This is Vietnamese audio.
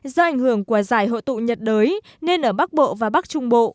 do ảnh hưởng của giải hội tụ nhiệt đới nên ở bắc bộ và bắc trung bộ